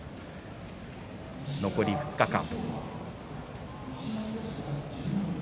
残り２日間。